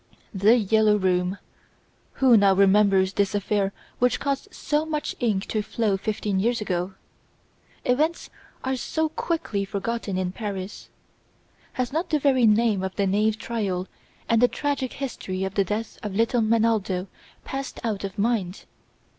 "The Yellow Room"! Who now remembers this affair which caused so much ink to flow fifteen years ago? Events are so quickly forgotten in Paris. Has not the very name of the Nayves trial and the tragic history of the death of little Menaldo passed out of mind?